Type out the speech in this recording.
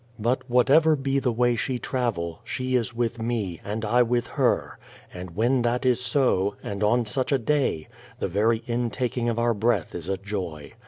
But whatever be the way she travel, she is with me, and I with her, and when that is so, and on such a day, the very intaking of our breath is a joy.